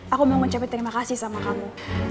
aku mau ucapin terima kasih sama kamu